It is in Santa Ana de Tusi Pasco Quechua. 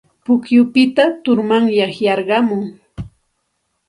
Pukyupita turmanyay yarqumun.